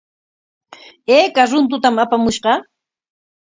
¿Ayka runtutam apamushqa?